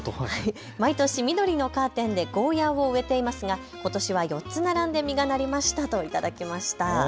毎年、緑のカーテンでゴーヤーを植えていますがことしは４つ並んで実がなりましたと頂きました。